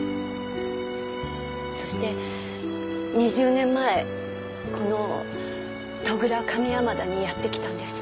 そして２０年前この戸倉上山田にやって来たんです。